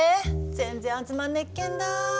全然集まんねっけんだ。